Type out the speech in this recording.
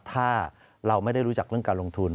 ถ้าเราไม่ได้รู้จักเรื่องการลงทุน